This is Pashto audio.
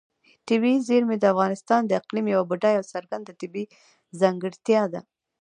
طبیعي زیرمې د افغانستان د اقلیم یوه بډایه او څرګنده طبیعي ځانګړتیا ده.